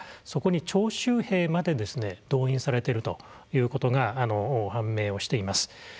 そこに徴集兵まで動員されてるということが判明をしています。